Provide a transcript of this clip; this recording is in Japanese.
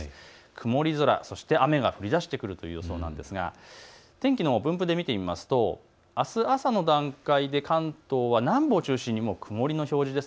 曇り空、そして雨が降りだしてくるという予想ですが天気の分布で見てみますと、あす朝の段階で関東は南部を中心に曇りの表示です。